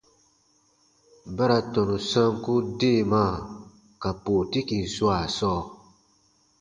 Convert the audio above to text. Ba ra tɔnu sanku deemaa ka pootikin swaa sɔɔ.